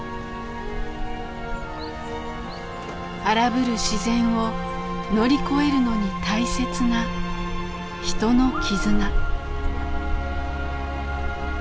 荒ぶる自然を乗り越えるのに大切な人の絆。